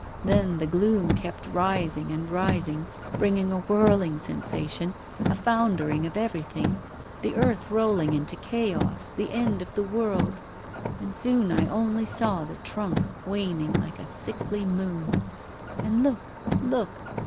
Then the gloom kept rising and rising, bringing a whirling sensation, a foundering of everything, the earth rolling into chaos, the end of the world. And soon I only saw the trunk waning like a sickly moon. And look, look!